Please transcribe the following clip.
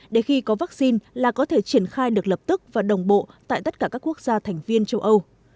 để khi có vaccine là có thể triển khai được lập tức và đồng bộ tại tất cả các quốc gia thành viên châu âu